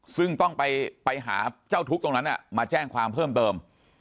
ซึ่งต้องไปหาเจ้าทุกข์ตรงนั้นมาแจ้งความเพิ่มเติม